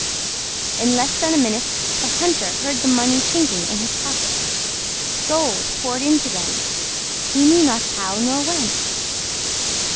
In less than a minute the hunter heard the money chinking in his pocket; gold poured into them, he knew not how nor whence.